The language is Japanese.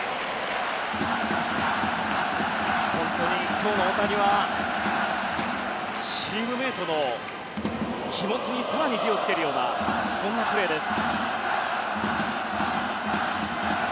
今日の大谷はチームメートの気持ちに更に火を付けるようなそんなプレーです。